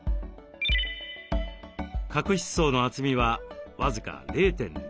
角質層の厚みは僅か０．０２ミリ。